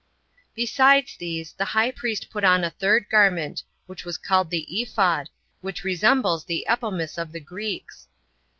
5. Besides these, the high priest put on a third garment, which was called the Ephod, which resembles the Epomis of the Greeks.